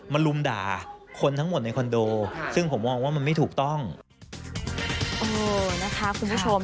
ลุมด่าคนทั้งหมดในคอนโดซึ่งผมมองว่ามันไม่ถูกต้องเออนะคะคุณผู้ชม